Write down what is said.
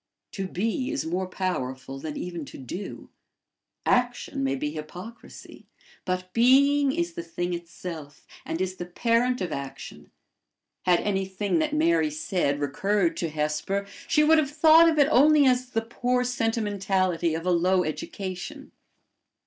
To be is more powerful than even to do. Action may be hypocrisy, but being is the thing itself, and is the parent of action. Had anything that Mary said recurred to Hesper, she would have thought of it only as the poor sentimentality of a low education.